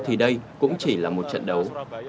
thì đây cũng chỉ là một trận đấu